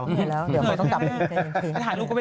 เห็นแล้วเดี๋ยวต้องกลับไป